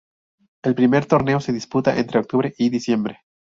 El primer torneo se disputa entre octubre y diciembre.